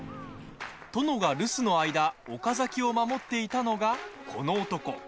殿が留守の間岡崎を守っていたのが、この男。